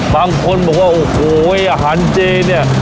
บางคนบอกว่าโอ้โหอาหารเจเนี่ย